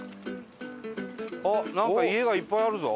あっなんか家がいっぱいあるぞ。